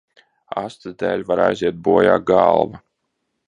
Astes dēļ var aiziet bojā galva.